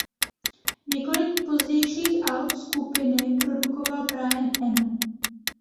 Několik pozdějších alb skupiny produkoval Brian Eno.